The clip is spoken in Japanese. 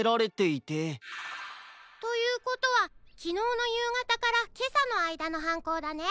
ということはきのうのゆうがたからけさのあいだのはんこうだね。